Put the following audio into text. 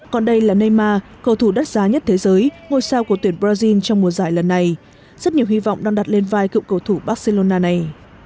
còn đây là neyma cầu thủ đắt giá nhất thế giới ngôi sao của tuyển brazil trong mùa giải lần này rất nhiều hy vọng đang đặt lên vai cựu cầu thủ barcelona này